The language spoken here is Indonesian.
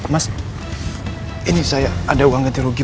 mas ini saya ada uang ganti rugi